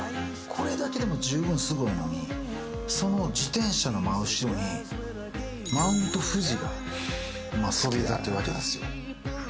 これだけでも十分すごいのにその自転車の真後ろにＭｔ．Ｆｕｊｉがそびえ立ってるわけですよ